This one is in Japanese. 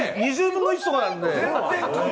２０分の１とかなんで。